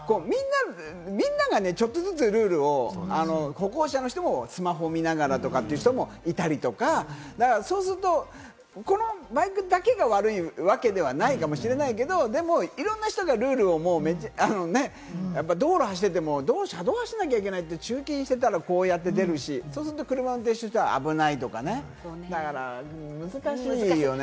車も車道を走らなきゃいけないというと、車も駐禁とかしてるから、みんながね、ちょっとずつルールを歩行者の人もスマホ見ながらとかっていう人もいたりとか、そうするとこのバイクだけが悪いわけではないかもしれないけれども、いろんな人がルールを道路を走ってても、車道を走らなきゃいけないって駐禁してたらこうやって出るし、車を運転している人は危ないとかね、難しいよね。